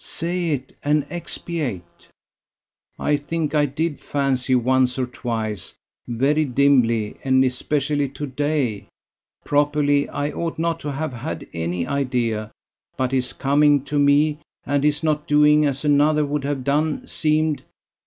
"Say it, and expiate." "I think I did fancy once or twice, very dimly, and especially to day ... properly I ought not to have had any idea: but his coming to me, and his not doing as another would have done, seemed